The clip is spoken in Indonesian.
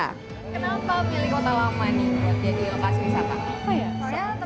kenapa milik kota lama ini buat jadi lokasi wisata